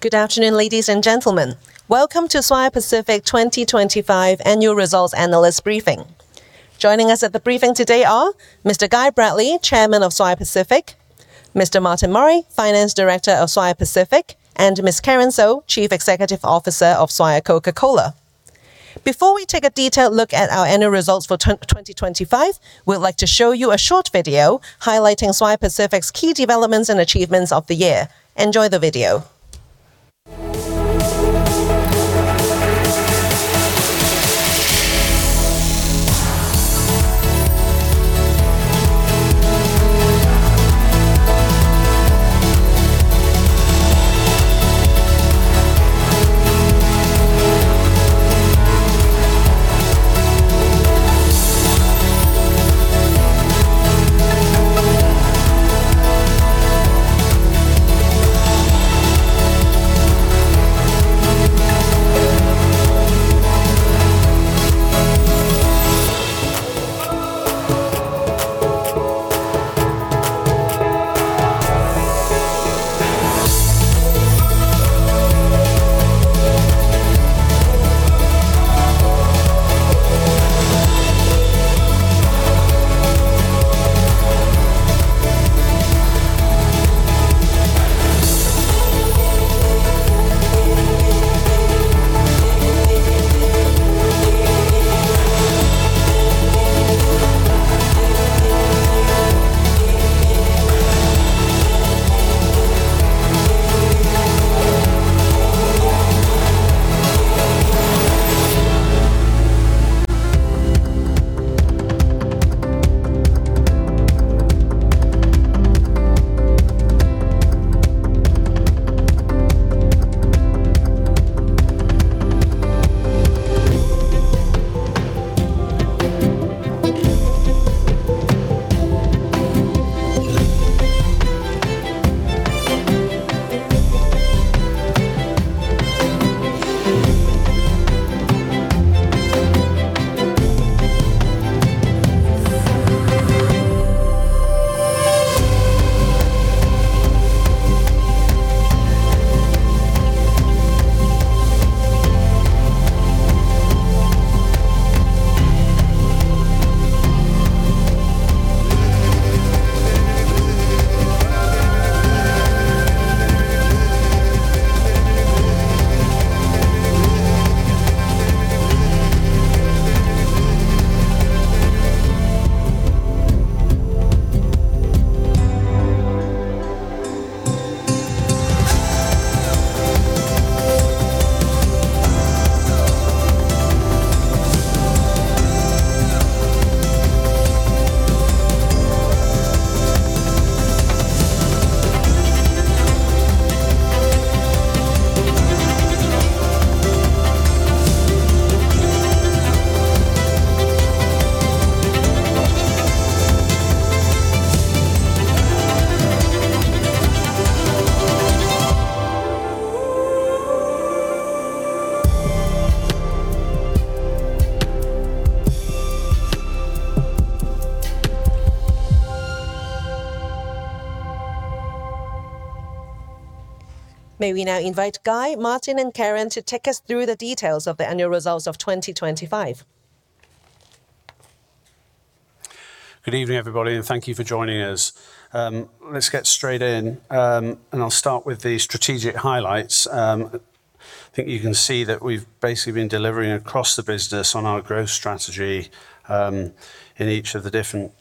Good afternoon, ladies and gentlemen. Welcome to Swire Pacific 2025 annual results analyst briefing. Joining us at the briefing today are Mr. Guy Bradley, Chairman of Swire Pacific, Mr. Martin Murray, Finance Director of Swire Pacific, and Ms. Karen So, Chief Executive Officer of Swire Coca-Cola. Before we take a detailed look at our annual results for 2025, we'd like to show you a short video highlighting Swire Pacific's key developments and achievements of the year. Enjoy the video. May we now invite Guy, Martin, and Karen to take us through the details of the annual results of 2025. Good evening, everybody, and thank you for joining us. Let's get straight in, and I'll start with the strategic highlights. I think you can see that we've basically been delivering across the business on our growth strategy in each of the different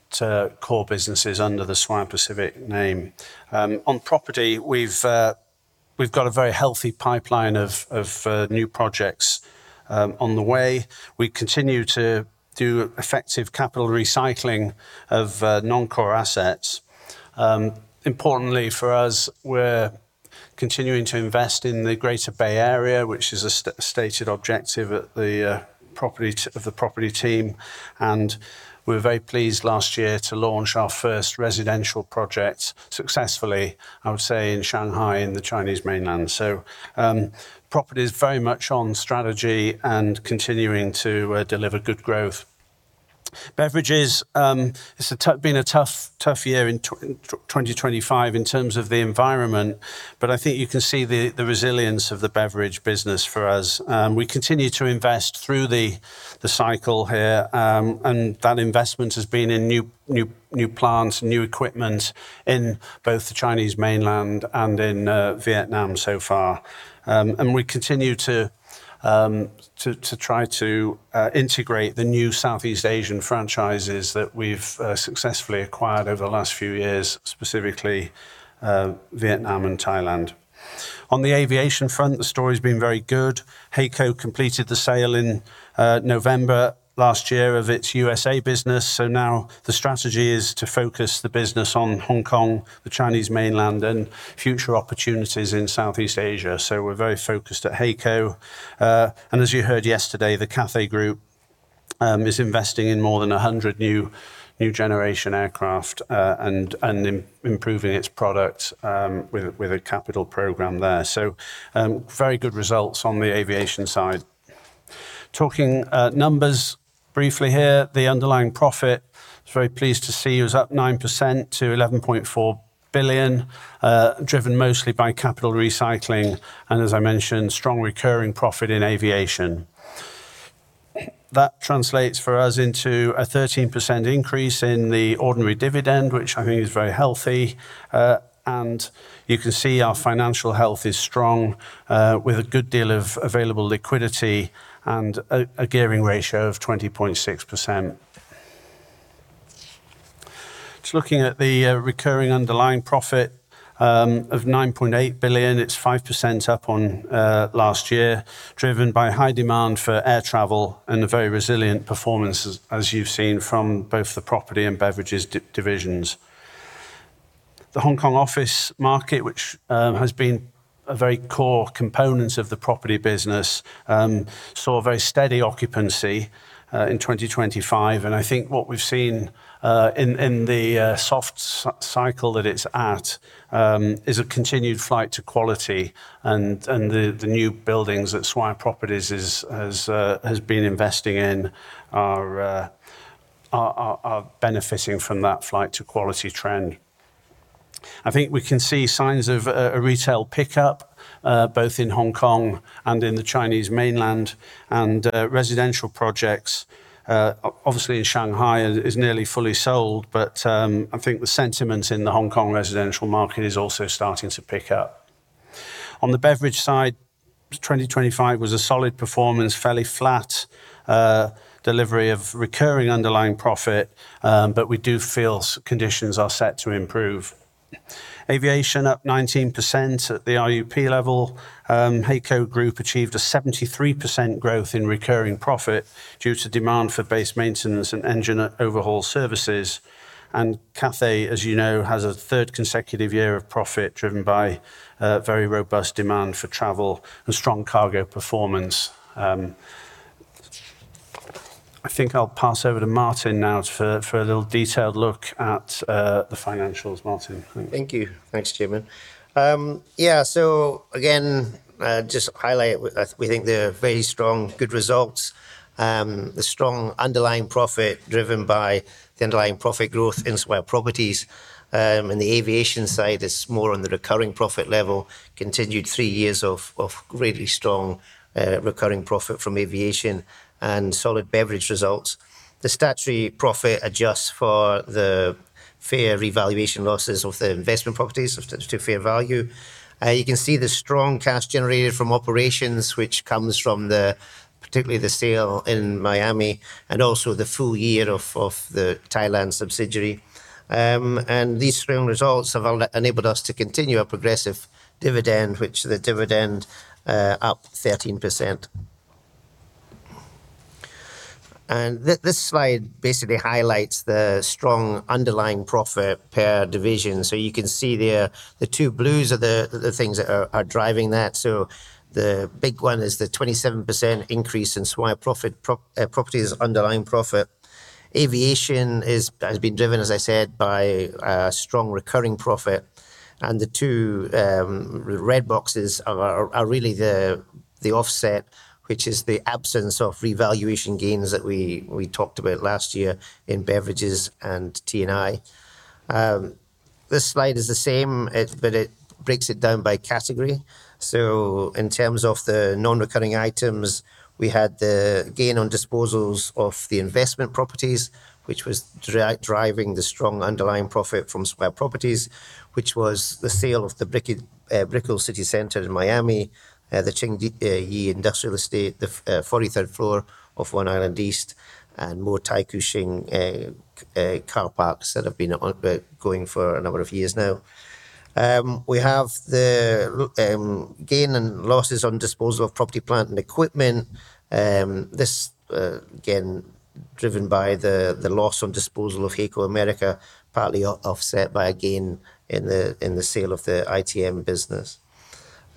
core businesses under the Swire Pacific name. On property, we've got a very healthy pipeline of new projects on the way. We continue to do effective capital recycling of non-core assets. Importantly for us, we're continuing to invest in the Greater Bay Area, which is a stated objective of the property team, and we're very pleased last year to launch our first residential project successfully, I would say, in Shanghai, in the Chinese Mainland. Property is very much on strategy and continuing to deliver good growth. Beverages, it's been a tough year in 2025 in terms of the environment, but I think you can see the resilience of the beverage business for us. We continue to invest through the cycle here, and that investment has been in new plants, new equipment in both the Chinese Mainland and in Vietnam so far. We continue to try to integrate the new Southeast Asian franchises that we've successfully acquired over the last few years, specifically Vietnam and Thailand. On the aviation front, the story's been very good. HAECO completed the sale in November last year of its U.S.A. business, so now the strategy is to focus the business on Hong Kong, the Chinese Mainland, and future opportunities in Southeast Asia. We're very focused at HAECO. As you heard yesterday, the Cathay Group is investing in more than 100 new-generation aircraft and improving its product with a capital program there. Very good results on the aviation side. Talking numbers briefly here. The underlying profit, I was very pleased to see, was up 9% to 11.4 billion, driven mostly by capital recycling and, as I mentioned, strong recurring profit in aviation. That translates for us into a 13% increase in the ordinary dividend, which I think is very healthy. You can see our financial health is strong, with a good deal of available liquidity and a gearing ratio of 20.6%. Just looking at the recurring underlying profit of 9.8 billion. It's 5% up on last year, driven by high demand for air travel and a very resilient performance as you've seen from both the property and beverages divisions. The Hong Kong office market, which has been a very core component of the property business, saw a very steady occupancy in 2025. I think what we've seen in the soft cycle that it's at is a continued flight to quality and the new buildings that Swire Properties has been investing in are benefiting from that flight to quality trend. I think we can see signs of a retail pickup both in Hong Kong and in the Chinese Mainland and residential projects obviously in Shanghai is nearly fully sold, but I think the sentiment in the Hong Kong residential market is also starting to pick up. On the beverage side, 2025 was a solid performance, fairly flat delivery of recurring underlying profit, but we do feel conditions are set to improve. Aviation up 19% at the IUP level. HAECO Group achieved a 73% growth in recurring profit due to demand for base maintenance and engine overhaul services. Cathay, as you know, has a third consecutive year of profit driven by very robust demand for travel and strong cargo performance. I think I'll pass over to Martin now for a little detailed look at the financials. Martin. Thank you. Thanks, Chairman. Again, just to highlight, we think they're very strong, good results. The strong underlying profit driven by the underlying profit growth in Swire Properties. The aviation side is more on the recurring profit level, continued three years of really strong recurring profit from aviation and solid beverage results. The statutory profit adjusts for the fair revaluation losses of the investment properties of statutory fair value. You can see the strong cash generated from operations, which comes from the, particularly the sale in Miami and also the full year of the Thailand subsidiary. These strong results have enabled us to continue our progressive dividend, which the dividend up 13%. This slide basically highlights the strong underlying profit per division. You can see there, the two blues are the things that are driving that. The big one is the 27% increase in Swire Properties' underlying profit. Aviation has been driven, as I said, by strong recurring profit. The two red boxes are really the offset, which is the absence of revaluation gains that we talked about last year in beverages and T&I. This slide is the same, but it breaks it down by category. In terms of the non-recurring items, we had the gain on disposals of the investment properties, which was driving the strong underlying profit from Swire Properties, which was the sale of the Brickell City Centre in Miami, the Tsing Yi Industrial Centre, the 43rd floor of One Island East, and more Taikoo Shing car parks that have been going for a number of years now. We have the gain and losses on disposal of property, plant, and equipment. This again driven by the loss on disposal of HAECO Americas, partly offset by a gain in the sale of the ITM business.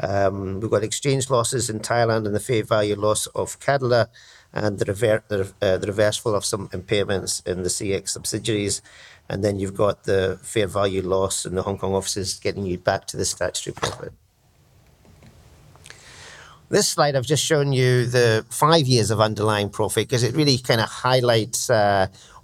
We've got exchange losses in Thailand and the fair value loss of Cadeler and the reversal of some impairments in the CX subsidiaries. You've got the fair value loss in the Hong Kong offices getting you back to the statutory profit. This slide, I've just shown you the five years of underlying profit 'cause it really kinda highlights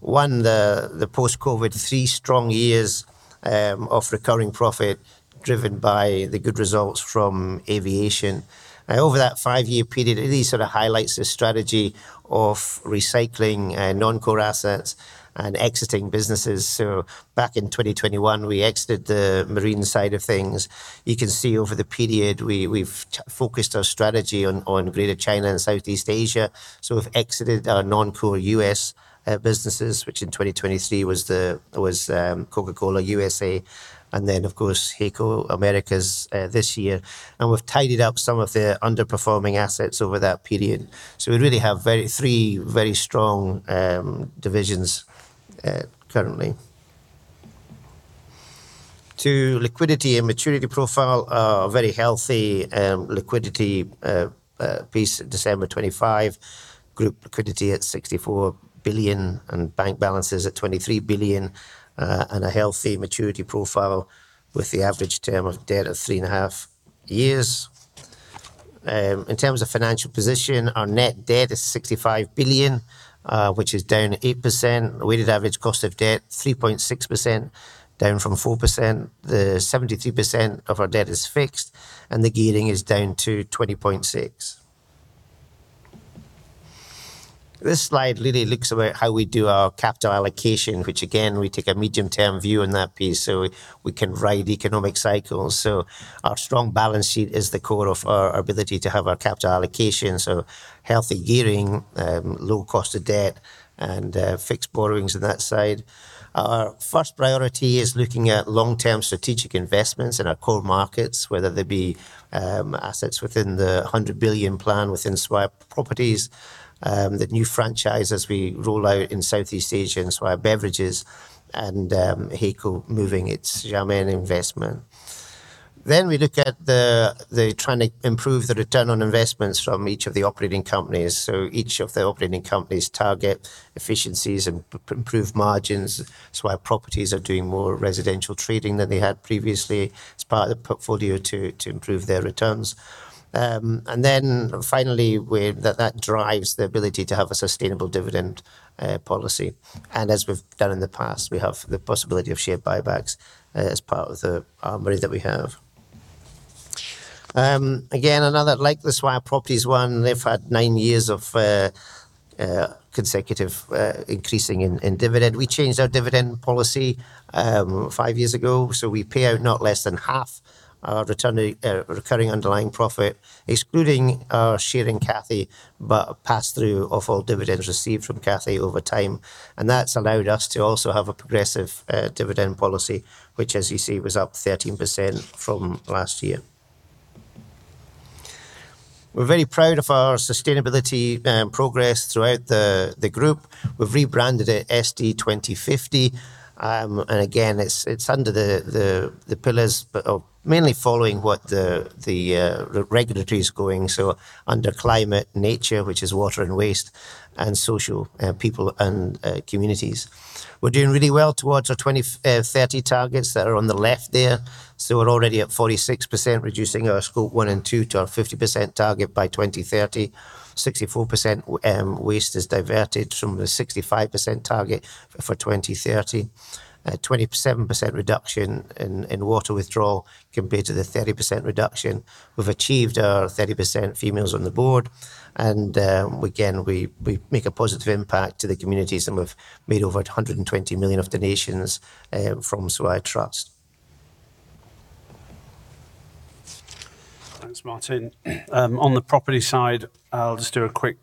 one, the post-COVID three strong years of recurring profit driven by the good results from aviation. Over that five-year period, it really sort of highlights the strategy of recycling non-core assets and exiting businesses. Back in 2021, we exited the marine side of things. You can see over the period we've focused our strategy on Greater China and Southeast Asia. We've exited our non-core U.S. businesses, which in 2023 was Swire Coca-Cola, U.S.A., and then of course, HAECO Americas this year. We've tidied up some of the underperforming assets over that period. We really have three very strong divisions currently. Our liquidity and maturity profile, a very healthy liquidity position at December 2025. Group liquidity at 64 billion and bank balances at 23 billion, and a healthy maturity profile with the average term of debt at 3.5 years. In terms of financial position, our net debt is 65 billion, which is down 8%. Weighted average cost of debt 3.6%, down from 4%. 73% of our debt is fixed, and the gearing is down to 20.6%. This slide really talks about how we do our capital allocation, which again, we take a medium-term view on that piece, so we can ride economic cycles. Our strong balance sheet is the core of our ability to have our capital allocation. Healthy gearing, low cost of debt and fixed borrowings on that side. Our first priority is looking at long-term strategic investments in our core markets, whether they be assets within the hundred billion plan within Swire Properties, the new franchise as we roll out in Southeast Asia in Swire Beverages and HAECO moving its Xiamen investment. We look at the T&I, trying to improve the return on investments from each of the operating companies. Each of the operating companies target efficiencies, improve margins. Swire Properties are doing more residential trading than they had previously as part of the portfolio to improve their returns. That drives the ability to have a sustainable dividend policy. As we've done in the past, we have the possibility of share buybacks as part of the armory that we have. Again, another like the Swire Properties one, they've had nine years of consecutive increasing in dividend. We changed our dividend policy five years ago, so we pay out not less than half our return recurring underlying profit, excluding our share in Cathay, but a pass-through of all dividends received from Cathay over time. That's allowed us to also have a progressive dividend policy, which as you see, was up 13% from last year. We're very proud of our sustainability progress throughout the group. We've rebranded it SD 2050. Again, it's under the pillars but of mainly following what the regulatory is going. Under climate nature, which is water and waste and social, people and communities. We're doing really well towards our 2030 targets that are on the left there. We're already at 46% reducing our Scope 1 and 2 to our 50% target by 2030. 64% waste is diverted from the 65% target for 2030. 27% reduction in water withdrawal compared to the 30% reduction. We've achieved our 30% females on the board and again, we make a positive impact to the communities and we've made over 120 million of donations from Swire Trust. Thanks, Martin. On the property side, I'll just do a quick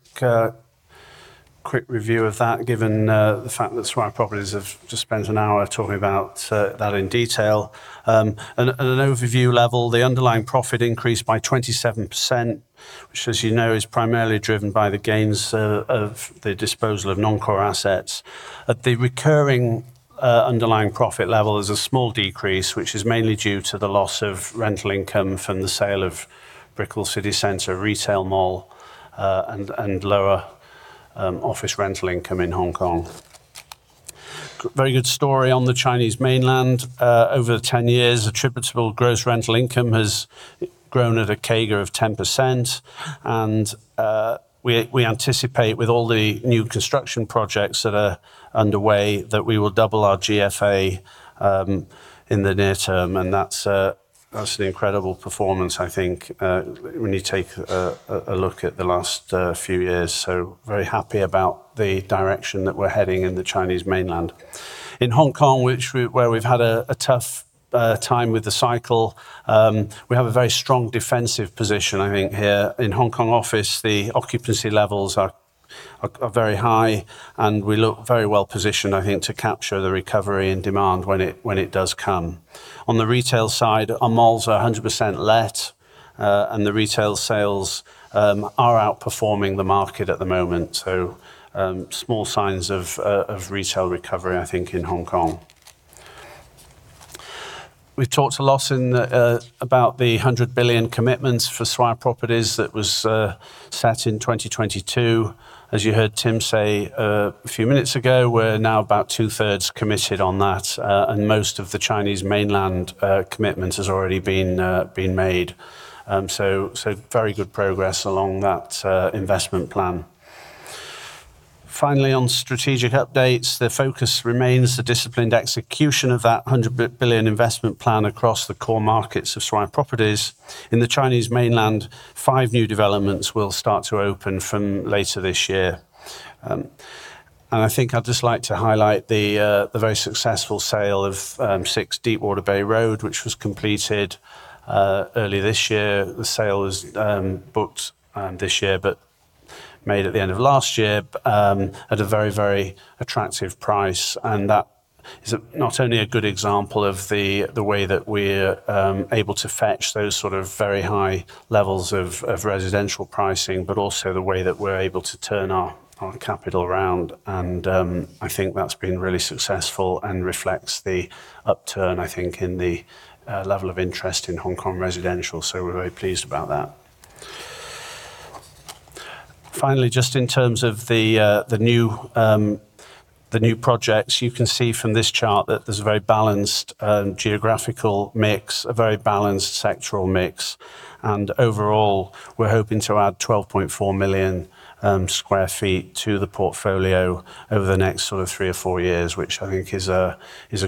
review of that given the fact that Swire Properties have just spent an hour talking about that in detail. At an overview level, the underlying profit increased by 27%, which as you know, is primarily driven by the gains of the disposal of non-core assets. At the recurring underlying profit level, there's a small decrease, which is mainly due to the loss of rental income from the sale of Brickell City Centre retail mall and lower office rental income in Hong Kong. Very good story on the Chinese Mainland. Over 10 years, attributable gross rental income has grown at a CAGR of 10%. We anticipate with all the new construction projects that are underway that we will double our GFA in the near term. That's an incredible performance I think when you take a look at the last few years. Very happy about the direction that we're heading in the Mainland China. In Hong Kong, where we've had a tough time with the cycle, we have a very strong defensive position I think here. In Hong Kong office, the occupancy levels are very high, and we look very well positioned I think to capture the recovery and demand when it does come. On the retail side, our malls are 100% let, and the retail sales are outperforming the market at the moment. Small signs of retail recovery I think in Hong Kong. We've talked a lot about the 100 billion commitments for Swire Properties that was set in 2022. As you heard Tim say a few minutes ago, we're now about two-thirds committed on that, and most of the Chinese Mainland commitment has already been made. Very good progress along that investment plan. Finally, on strategic updates, the focus remains the disciplined execution of that 100 billion investment plan across the core markets of Swire Properties. In the Chinese Mainland, five new developments will start to open from later this year. I think I'd just like to highlight the very successful sale of 6 Deep Water Bay Road, which was completed early this year. The sale was booked this year, but made at the end of last year at a very attractive price. That is not only a good example of the way that we're able to fetch those sort of very high levels of residential pricing, but also the way that we're able to turn our capital around. I think that's been really successful and reflects the upturn I think in the level of interest in Hong Kong residential. We're very pleased about that. Finally, just in terms of the new projects, you can see from this chart that there's a very balanced geographical mix, a very balanced sectoral mix. Overall, we're hoping to add 12.4 million sq ft to the portfolio over the next sort of three or four years, which I think is a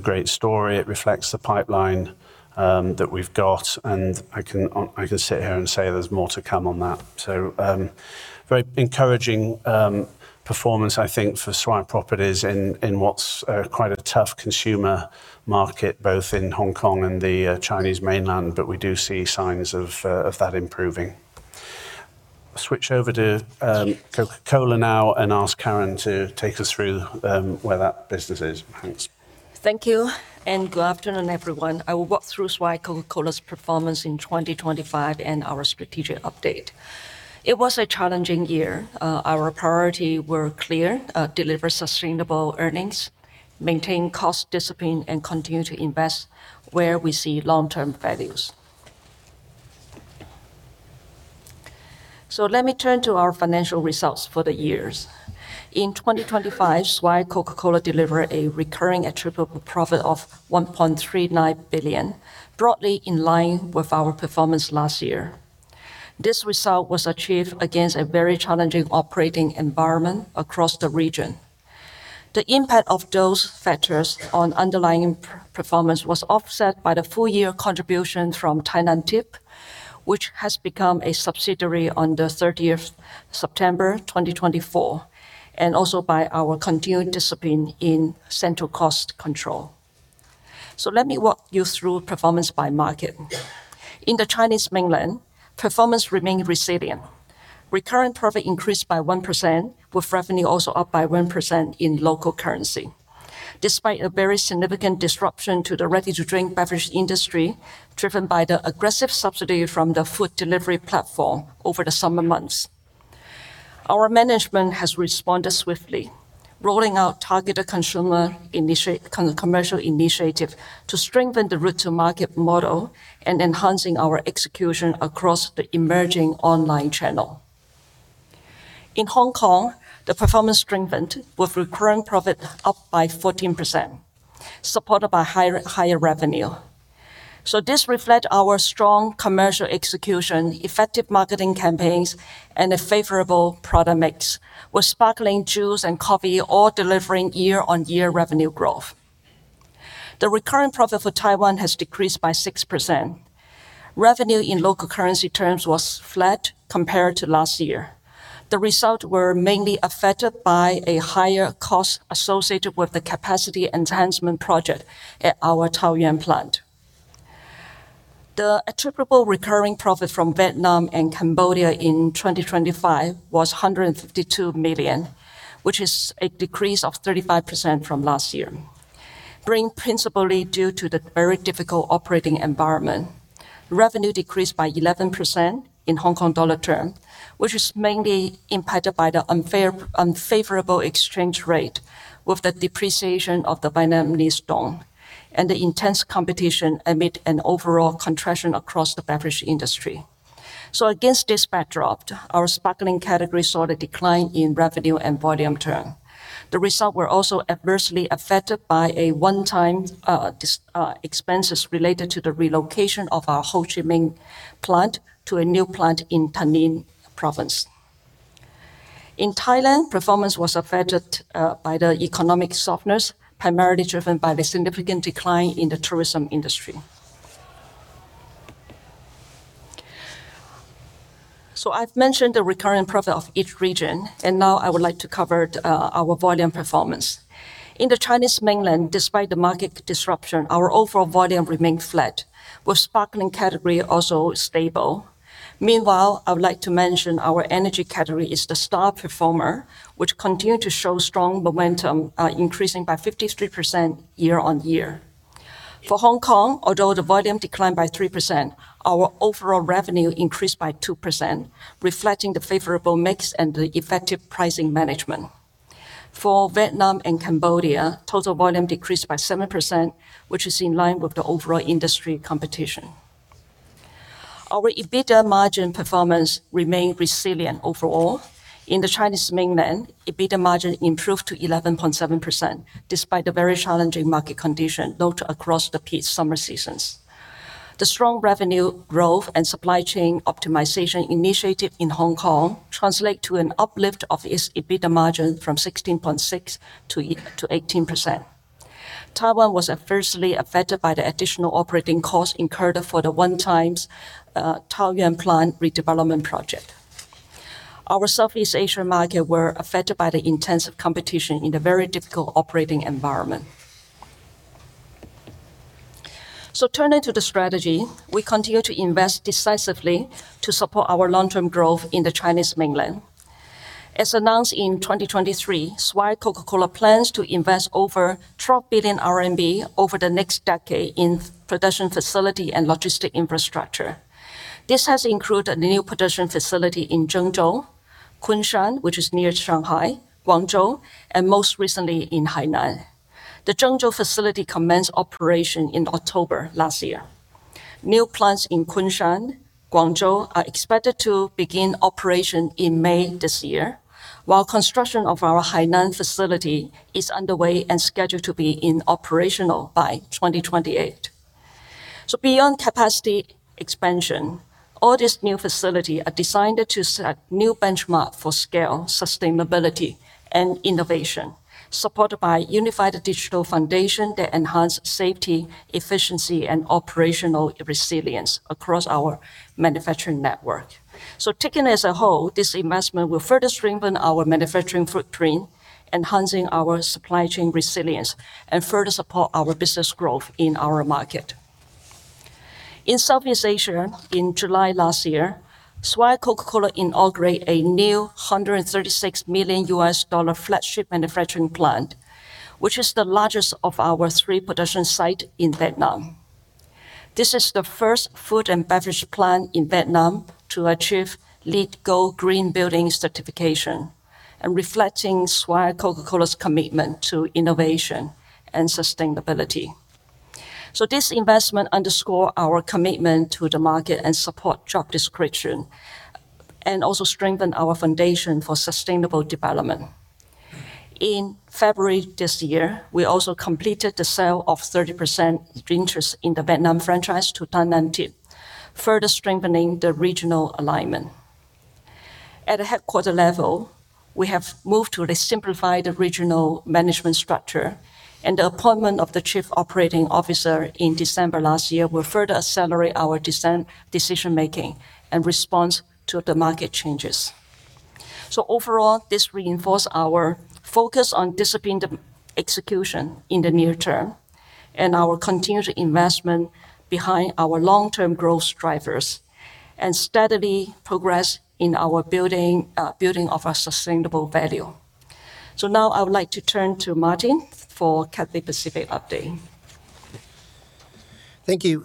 great story. It reflects the pipeline that we've got, and I can sit here and say there's more to come on that. Very encouraging performance, I think, for Swire Properties in what's quite a tough consumer market, both in Hong Kong and the Chinese Mainland. We do see signs of that improving. Switch over to Coca-Cola now and ask Karen So to take us through where that business is. Thanks. Thank you and good afternoon, everyone. I will walk through Swire Coca-Cola's performance in 2025 and our strategic update. It was a challenging year. Our priority were clear: deliver sustainable earnings, maintain cost discipline, and continue to invest where we see long-term values. Let me turn to our financial results for the years. In 2025, Swire Coca-Cola delivered a recurring attributable profit of 1.39 billion, broadly in line with our performance last year. This result was achieved against a very challenging operating environment across the region. The impact of those factors on underlying performance was offset by the full year contribution from ThaiNamthip, which has become a subsidiary on the 30th September 2024, and also by our continued discipline in central cost control. Let me walk you through performance by market. In the Chinese Mainland, performance remained resilient. Recurrent profit increased by 1%, with revenue also up by 1% in local currency. Despite a very significant disruption to the ready-to-drink beverage industry, driven by the aggressive subsidy from the food delivery platform over the summer months, our management has responded swiftly, rolling out targeted consumer-commercial initiative to strengthen the route-to-market model and enhancing our execution across the emerging online channel. In Hong Kong, the performance strengthened with recurrent profit up by 14%, supported by higher revenue. This reflect our strong commercial execution, effective marketing campaigns, and a favorable product mix, with sparkling juice and coffee all delivering year-on-year revenue growth. The recurrent profit for Taiwan has decreased by 6%. Revenue in local currency terms was flat compared to last year. The result were mainly affected by a higher cost associated with the capacity enhancement project at our Taoyuan plant. The attributable recurring profit from Vietnam and Cambodia in 2025 was 152 million, which is a decrease of 35% from last year, being principally due to the very difficult operating environment. Revenue decreased by 11% in Hong Kong dollar terms, which is mainly impacted by the unfavorable exchange rate with the depreciation of the Vietnamese dong and the intense competition amid an overall contraction across the beverage industry. Against this backdrop, our sparkling category saw the decline in revenue and volume terms. The results were also adversely affected by a one-time expenses related to the relocation of our Ho Chi Minh plant to a new plant in Thanh Hóa province. In Thailand, performance was affected by the economic softness, primarily driven by the significant decline in the tourism industry. I've mentioned the recurrent profit of each region, and now I would like to cover our volume performance. In the Chinese Mainland, despite the market disruption, our overall volume remained flat, with sparkling category also stable. Meanwhile, I would like to mention our energy category is the star performer, which continue to show strong momentum, increasing by 53% year-on-year. For Hong Kong, although the volume declined by 3%, our overall revenue increased by 2%, reflecting the favorable mix and the effective pricing management. For Vietnam and Cambodia, total volume decreased by 7%, which is in line with the overall industry competition. Our EBITDA margin performance remained resilient overall. In the Chinese Mainland, EBITDA margin improved to 11.7%, despite the very challenging market conditions but across the peak summer seasons. The strong revenue growth and supply chain optimization initiative in Hong Kong translate to an uplift of its EBITDA margin from 16.6%-18%. Taiwan was adversely affected by the additional operating costs incurred for the one-time Taoyuan plant redevelopment project. Our Southeast Asian markets were affected by the intensive competition in a very difficult operating environment. Turning to the strategy, we continue to invest decisively to support our long-term growth in the Chinese Mainland. As announced in 2023, Swire Coca-Cola plans to invest over 12 billion RMB over the next decade in production facility and logistics infrastructure. This has included a new production facility in Zhengzhou, Kunshan, which is near Shanghai, Guangzhou, and most recently in Hainan. The Zhengzhou facility commenced operation in October last year. New plants in Kunshan, Guangzhou are expected to begin operation in May this year, while construction of our Hainan facility is underway and scheduled to be operational by 2028. Beyond capacity expansion, all these new facilities are designed to set new benchmarks for scale, sustainability and innovation, supported by unified digital foundation that enhance safety, efficiency and operational resilience across our manufacturing network. Taken as a whole, this investment will further strengthen our manufacturing footprint, enhancing our supply chain resilience and further support our business growth in our market. In Southeast Asia, in July last year, Swire Coca-Cola inaugurated a new $136 million flagship manufacturing plant, which is the largest of our three production sites in Vietnam. This is the first food and beverage plant in Vietnam to achieve LEED Gold green building certification, reflecting Swire Coca-Cola's commitment to innovation and sustainability. This investment underscores our commitment to the market and supports job creation and also strengthens our foundation for sustainable development. In February this year, we also completed the sale of 30% interest in the Vietnam franchise to ThaiNamthip, further strengthening the regional alignment. At a headquarters level, we have moved to a simplified regional management structure, and the appointment of the chief operating officer in December last year will further accelerate our decision making and response to the market changes. Overall, this reinforces our focus on disciplined execution in the near term and our continued investment behind our long-term growth drivers and steady progress in our building of our sustainable value. Now I would like to turn to Martin for Cathay Pacific update. Thank you.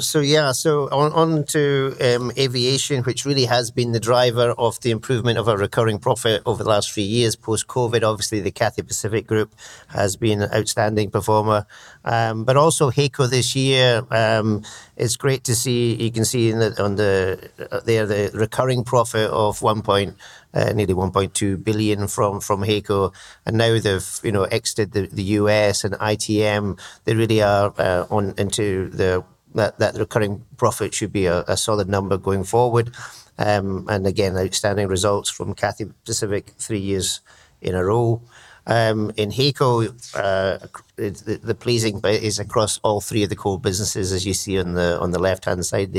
So on to aviation, which really has been the driver of the improvement of our recurring profit over the last few years post-COVID. Obviously, the Cathay Pacific Group has been an outstanding performer. But also HAECO this year, it's great to see. You can see on the recurring profit of nearly 1.2 billion from HAECO. Now they've you know exited the U.S. and HAECO ITM. They really are. That recurring profit should be a solid number going forward. Again, outstanding results from Cathay Pacific three years in a row. In HAECO, the pleasing bit is across all three of the core businesses, as you see on the left-hand side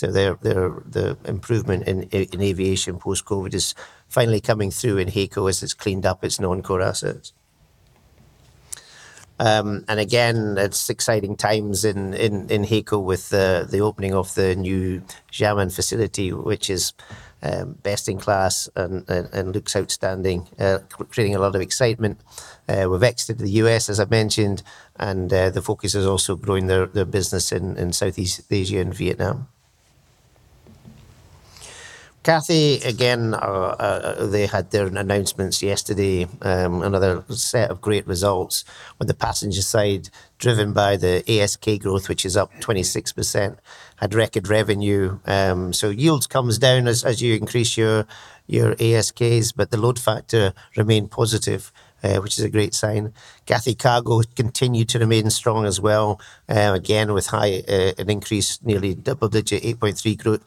there. The improvement in aviation post-COVID is finally coming through in HAECO as it's cleaned up its non-core assets. Again, it's exciting times in HAECO with the opening of the new Xiamen facility, which is best in class and looks outstanding. Creating a lot of excitement. We've exited the U.S., as I mentioned, and the focus is also growing their business in Southeast Asia and Vietnam. Cathay, again, they had their announcements yesterday. Another set of great results on the passenger side, driven by the ASK growth, which is up 26%. Had record revenue. Yields comes down as you increase your ASKs, but the load factor remained positive, which is a great sign. Cathay Cargo continued to remain strong as well, again, with an increase, nearly double-digit, 8.3% growth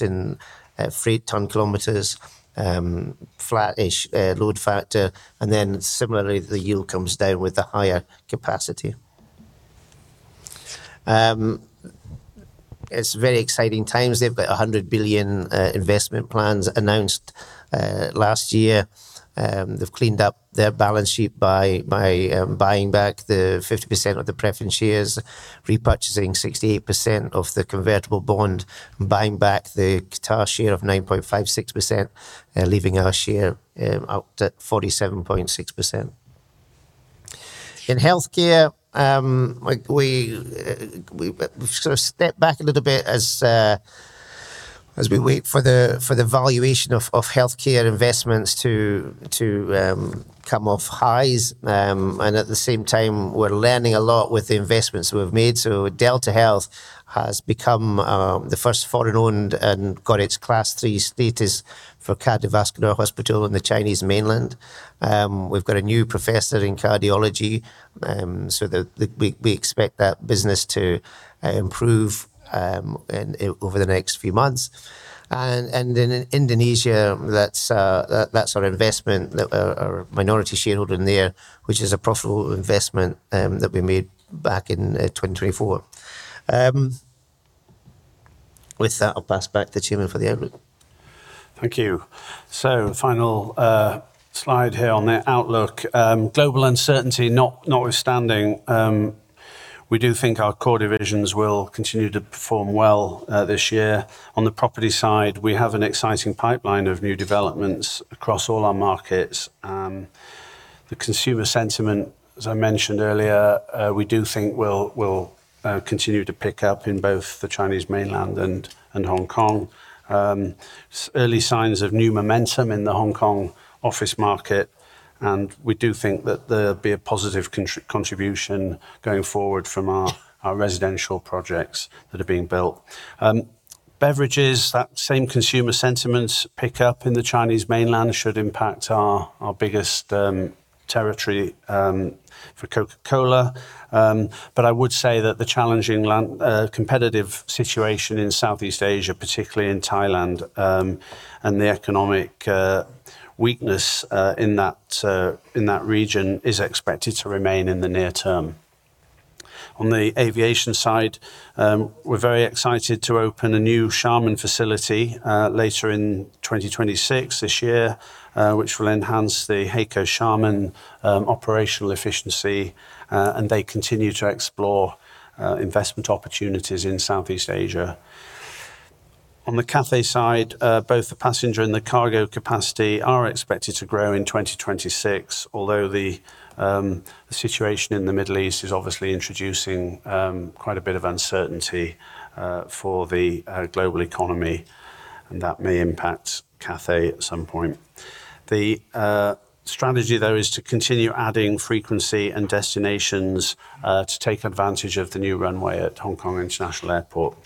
in freight tonne kilometers, flattish load factor. Similarly, the yield comes down with the higher capacity. It's very exciting times. They've got 100 billion investment plans announced last year. They've cleaned up their balance sheet by buying back the 50% of the preference shares, repurchasing 68% of the convertible bond, buying back the Qatar share of 9.56%, leaving our share up to 47.6%. In healthcare, like we've sort of stepped back a little bit as we wait for the valuation of healthcare investments to come off highs. At the same time, we're learning a lot with the investments we've made. DeltaHealth has become the first foreign-owned and got its Class III status for cardiovascular hospital in the Chinese Mainland. We've got a new professor in cardiology, so that we expect that business to improve over the next few months. In Indonesia, that's our investment, our minority shareholder in there, which is a profitable investment that we made back in 2024. With that, I'll pass back to Chairman for the outlook. Thank you. Final slide here on the outlook. Global uncertainty not notwithstanding, we do think our core divisions will continue to perform well this year. On the property side, we have an exciting pipeline of new developments across all our markets. The consumer sentiment, as I mentioned earlier, we do think will continue to pick up in both the Chinese Mainland and Hong Kong. Early signs of new momentum in the Hong Kong office market, and we do think that there'll be a positive contribution going forward from our residential projects that are being built. Beverages, that same consumer sentiments pick up in the Chinese Mainland should impact our biggest territory for Coca-Cola. I would say that the challenging competitive situation in Southeast Asia, particularly in Thailand, and the economic weakness in that region is expected to remain in the near term. On the aviation side, we're very excited to open a new Xiamen facility later in 2026, this year, which will enhance the HAECO Xiamen operational efficiency, and they continue to explore investment opportunities in Southeast Asia. On the Cathay side, both the passenger and the cargo capacity are expected to grow in 2026, although the situation in the Middle East is obviously introducing quite a bit of uncertainty for the global economy, and that may impact Cathay at some point. The strategy, though, is to continue adding frequency and destinations to take advantage of the new runway at Hong Kong International Airport.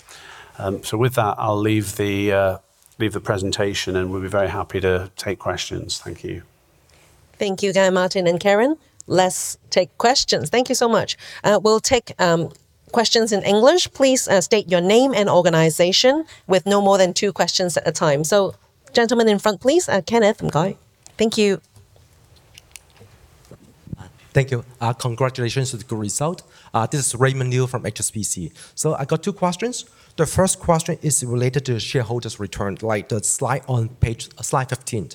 With that, I'll leave the presentation, and we'll be very happy to take questions. Thank you. Thank you, Guy, Martin, and Karen. Let's take questions. Thank you so much. We'll take questions in English. Please, state your name and organization with no more than two questions at a time. Gentlemen in front, please. [Kenneth Ngai]. Thank you. Thank you. Congratulations to the good result. This is Raymond Liu from HSBC. I got two questions. The first question is related to shareholders return, like the slide on slide 15.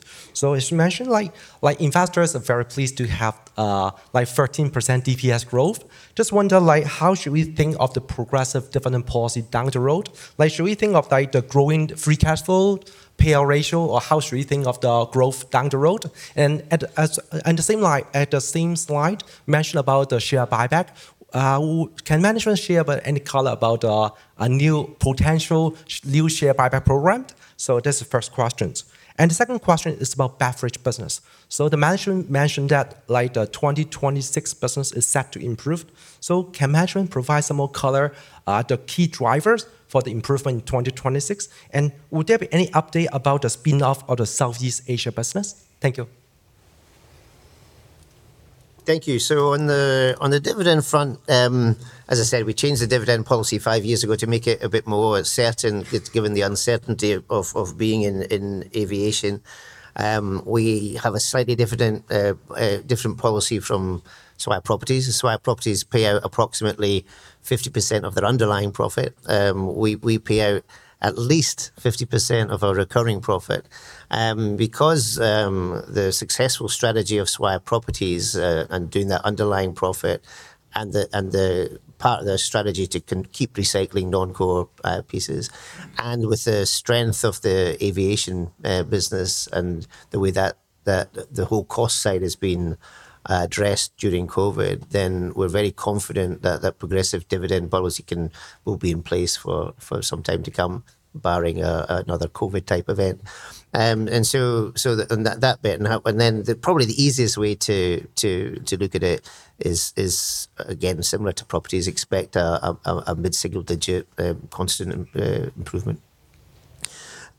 As you mentioned, like, investors are very pleased to have, like 13% DPS growth. Just wonder, like, how should we think of the progressive dividend policy down the road? Like, should we think of, like, the growing free cash flow, payout ratio, or how should we think of the growth down the road? And the same, like, at the same slide, mention about the share buyback. Can management share about any color about, a new potential new share buyback program? This is first questions. And the second question is about beverage business. The management mentioned that, like, the 2026 business is set to improve. Can management provide some more color, the key drivers for the improvement in 2026? And would there be any update about the spin-off of the Southeast Asia business? Thank you. Thank you. On the dividend front, as I said, we changed the dividend policy five years ago to make it a bit more certain given the uncertainty of being in aviation. We have a slightly different dividend policy from Swire Properties. Swire Properties pay out approximately 50% of their underlying profit. We pay out at least 50% of our recurring profit. Because the successful strategy of Swire Properties and doing that underlying profit and the part of their strategy to keep recycling non-core pieces, and with the strength of the aviation business and the way that the whole cost side has been addressed during COVID, we're very confident that progressive dividend policy can. Will be in place for some time to come, barring another COVID-type event. The easiest way to look at it is again similar to Properties: expect a mid-single-digit constant improvement.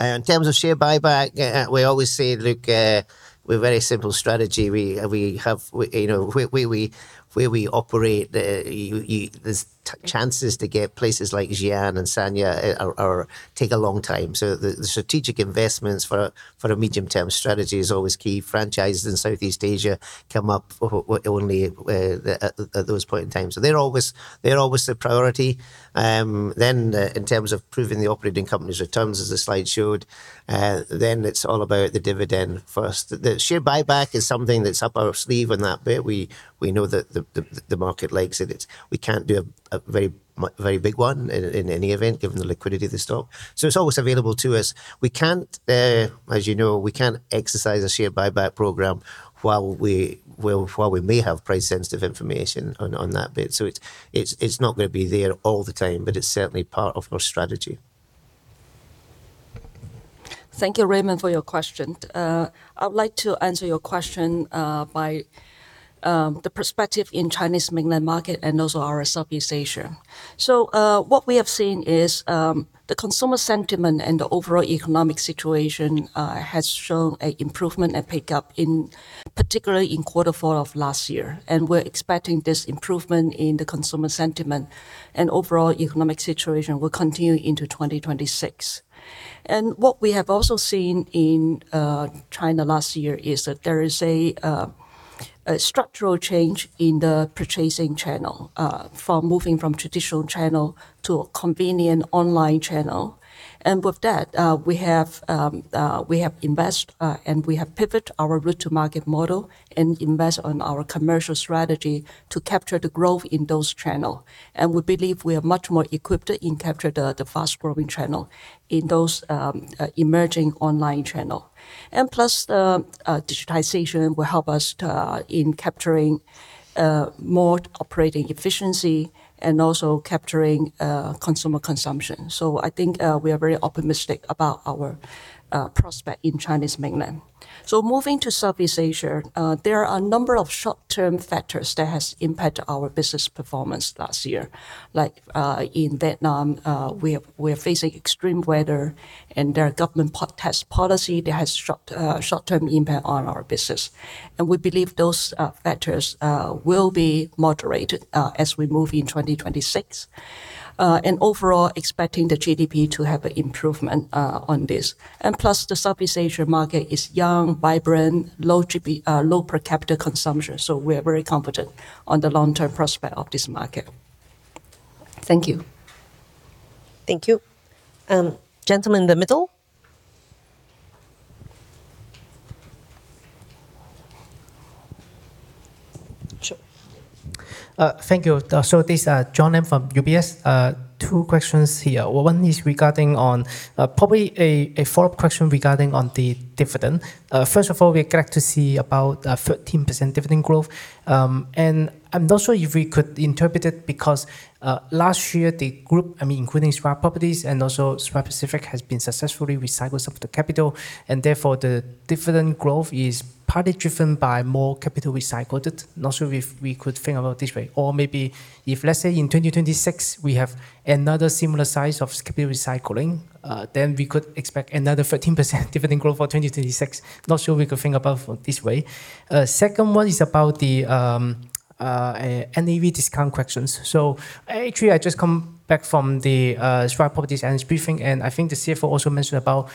In terms of share buyback, we always say, look, we have a very simple strategy. You know, where we operate, it takes a long time to get places like Xi'an and Sanya. The strategic investments for a medium-term strategy are always key. Franchises in Southeast Asia come up only at those points in time. They're always the priority. In terms of proving the operating company's returns, as the slide showed, it's all about the dividend first. The share buyback is something that's up our sleeve and that bit we know that the market likes it. It's we can't do a very big one in any event, given the liquidity of the stock. It's always available to us. As you know, we can't exercise a share buyback program while we may have price sensitive information on that bit. It's not gonna be there all the time, but it's certainly part of our strategy. Thank you, Raymond, for your question. I would like to answer your question from the perspective in Chinese Mainland market and also our Southeast Asia. What we have seen is the consumer sentiment and the overall economic situation has shown an improvement and pickup particularly in quarter four of last year. We're expecting this improvement in the consumer sentiment and overall economic situation will continue into 2026. What we have also seen in China last year is that there is a structural change in the purchasing channel moving from traditional channel to a convenient online channel. With that, we have invest and we have pivot our route to market model and invest on our commercial strategy to capture the growth in those channel. We believe we are much more equipped to capture the fast-growing channel in those emerging online channel. Plus, digitization will help us to capture more operating efficiency and also capturing consumer consumption. I think we are very optimistic about our prospect in Chinese Mainland. Moving to Southeast Asia, there are a number of short-term factors that has impacted our business performance last year. Like, in Vietnam, we are facing extreme weather and their government post-tax policy that has short-term impact on our business. We believe those factors will be moderated as we move in 2026. Overall expecting the GDP to have a improvement on this. The Southeast Asia market is young, vibrant, low GDP, low per capita consumption, so we are very confident on the long-term prospect of this market. Thank you. Thank you. Gentleman in the middle. Sure. Thank you. So this is John Lam from UBS. Two questions here. One is regarding a follow-up question regarding the dividend. First of all, we're glad to see about 13% dividend growth. And I'm not sure if we could interpret it because last year the group, I mean, including Swire Properties and also Swire Pacific, has been successfully recycled some of the capital and therefore the dividend growth is partly driven by more capital recycled. Not sure if we could think about this way. Or maybe if, let's say, in 2026 we have another similar size of capital recycling, then we could expect another 13% dividend growth for 2036. Not sure we could think about this way. Second one is about the NAV discount questions. Actually, I just come back from the Swire Properties annual briefing, and I think the CFO also mentioned about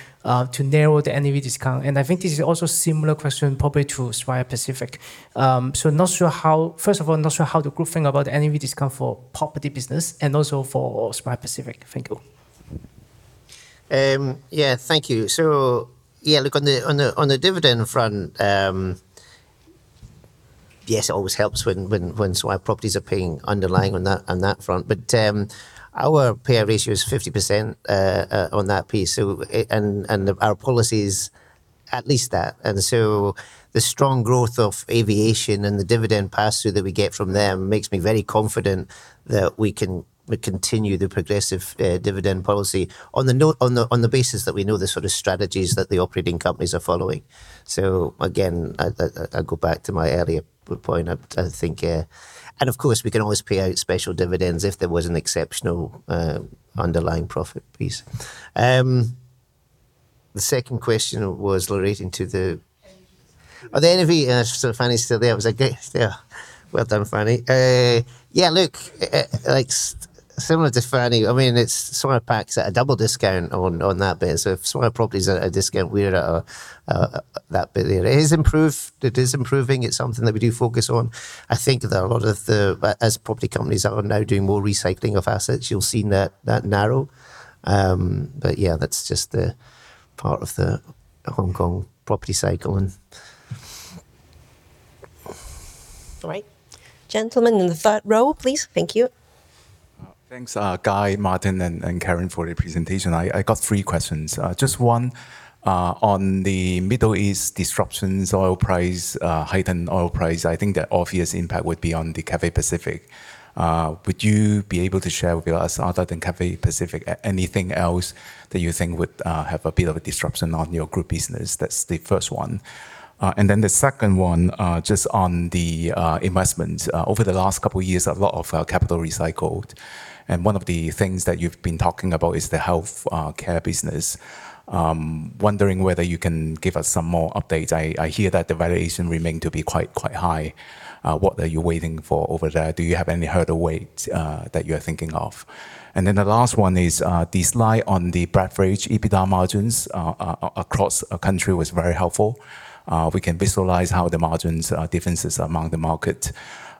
to narrow the NAV discount. I think this is also similar question probably to Swire Pacific. First of all, not sure what the good thing about NAV discount for property business and also for Swire Pacific. Thank you. Thank you. Yeah, look, on the dividend front, yes, it always helps when Swire Properties are paying underlying on that front. Our payout ratio is 50% on that piece, and our policy is at least that. The strong growth of aviation and the dividend pass-through that we get from them makes me very confident that we can continue the progressive dividend policy on the basis that we know the sort of strategies that the operating companies are following. Again, I go back to my earlier point. I think. Of course, we can always pay out special dividends if there was an exceptional underlying profit piece. The second question was relating to the- NAV. Oh, the NAV. Fanny's still there, I guess. Yeah. Well done, Fanny. Yeah, look, like similar to Fanny, I mean, it's Swire Pacific's at a double discount on that basis. So if Swire Properties' at a discount, we're at a double that basis. It is improved. It is improving. It's something that we do focus on. I think that a lot of them, as property companies are now doing more recycling of assets, you'll see that narrow. Yeah, that's just part of the Hong Kong property cycle. All right. Gentleman in the third row, please. Thank you. Thanks, Guy, Martin, and Karen for the presentation. I got three questions. Just one on the Middle East disruptions, oil price, heightened oil price. I think the obvious impact would be on the Cathay Pacific. Would you be able to share with us, other than Cathay Pacific, anything else that you think would have a bit of a disruption on your group business? That's the first one. Then the second one, just on the investment. Over the last couple years, a lot of capital recycled, and one of the things that you've been talking about is the health care business. Wondering whether you can give us some more updates. I hear that the valuation remain to be quite high. What are you waiting for over there? Do you have any hurdle rate that you are thinking of? Then the last one is, the slide on the beverage EBITDA margins across countries was very helpful. We can visualize how the margins differences among the markets.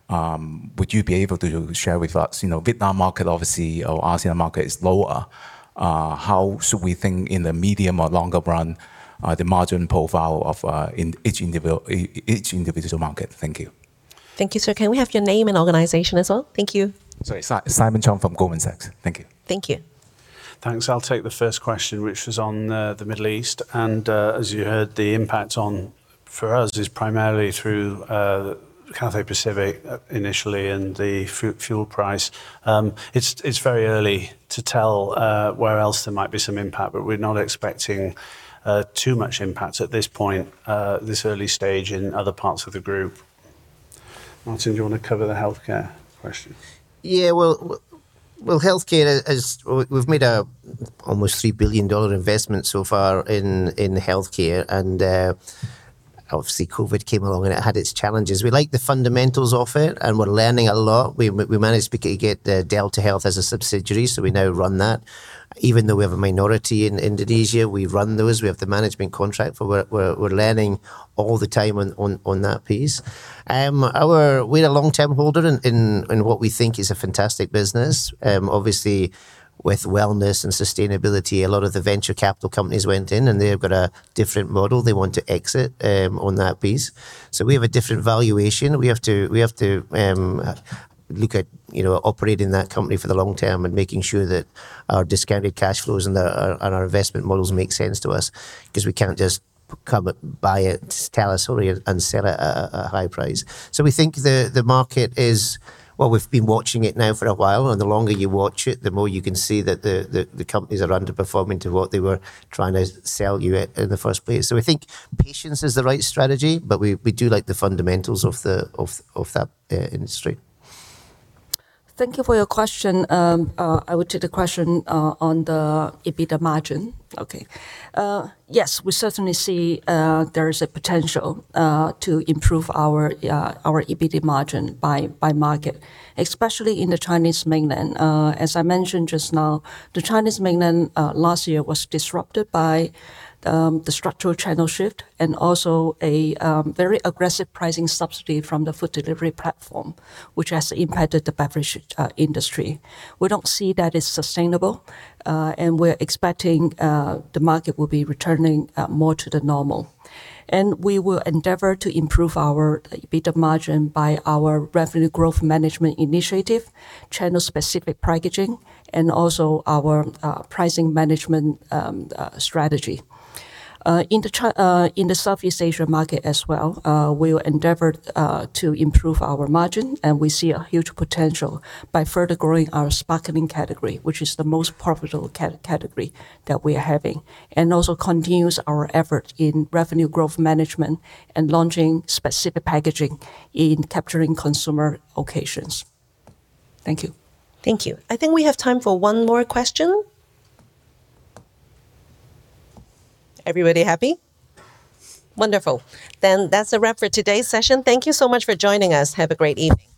Would you be able to share with us, you know, Vietnam market obviously or ASEAN market is lower, how should we think in the medium or longer run, the margin profile of in each individual market? Thank you. Thank you, sir. Can we have your name and organization as well? Thank you. Sorry. Simon Chong from Goldman Sachs. Thank you. Thank you. Thanks. I'll take the first question, which was on the Middle East. As you heard, the impact on for us is primarily through Cathay Pacific initially and the fuel price. It's very early to tell where else there might be some impact, but we're not expecting too much impact at this point, this early stage in other parts of the group. Martin, do you wanna cover the healthcare question? Yeah. Well, healthcare, as we've made an almost 3 billion dollar investment so far in healthcare and obviously COVID came along and it had its challenges. We like the fundamentals of it and we're learning a lot. We managed to get DeltaHealth as a subsidiary, so we now run that. Even though we have a minority in Indonesia, we run those. We have the management contract for work. We're learning all the time on that piece. We're a long-term holder in what we think is a fantastic business. Obviously with wellness and sustainability, a lot of the venture capital companies went in and they've got a different model they want to exit on that piece. We have a different valuation. We have to look at, you know, operating that company for the long term and making sure that our discounted cash flows and our investment models make sense to us 'cause we can't just buy it, hurry and sell it at a high price. We think the market is. Well, we've been watching it now for a while, and the longer you watch it, the more you can see that the companies are underperforming to what they were trying to sell you at in the first place. We think patience is the right strategy, but we do like the fundamentals of that industry. Thank you for your question. I would take the question on the EBITDA margin. Okay. Yes, we certainly see there is a potential to improve our EBITDA margin by market, especially in the Chinese Mainland. As I mentioned just now, the Chinese Mainland last year was disrupted by the structural channel shift and also a very aggressive pricing subsidy from the food delivery platform, which has impacted the beverage industry. We don't see that as sustainable, and we're expecting the market will be returning more to the normal. We will endeavor to improve our EBITDA margin by our revenue growth management initiative, channel-specific packaging, and also our pricing management strategy. In the Southeast Asia market as well, we will endeavor to improve our margin and we see a huge potential by further growing our sparkling category, which is the most profitable category that we are having, and also continues our effort in revenue growth management and launching specific packaging in capturing consumer occasions. Thank you. Thank you. I think we have time for one more question. Everybody happy? Wonderful. Then that's a wrap for today's session. Thank you so much for joining us. Have a great evening.